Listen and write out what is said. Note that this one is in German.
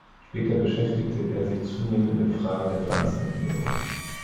Später beschäftigte er sich zunehmend mit Fragen der Pflanzenernährung.